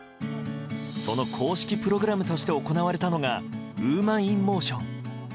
その公式プログラムとして行われたのがウーマン・イン・モーション。